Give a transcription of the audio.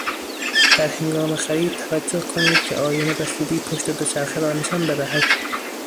در هنگام خرید توجه کنید که آینه به خوبی پشت دوچرخه را نشان بدهد.